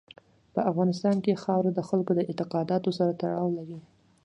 په افغانستان کې خاوره د خلکو د اعتقاداتو سره تړاو لري.